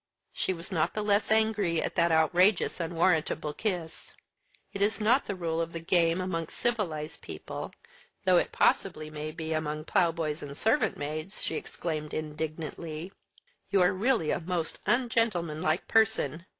She was not the less angry at that outrageous unwarrantable kiss. "It is not the rule of the game amongst civilised people; though it possibly may be among plough boys and servant maids!" she exclaimed indignantly. "You are really a most ungentlemanlike person!